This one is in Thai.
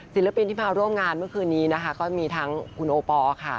ศิลปินที่มาร่วมงานเมื่อคืนนี้นะคะก็มีทั้งคุณโอปอล์ค่ะ